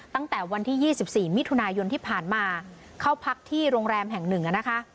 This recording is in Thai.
ตั้งแต่วันที่๒๔มิถุนายนที่ผ่านมาเข้าพักที่โรงแรมแห่งหนึ่งนะคะ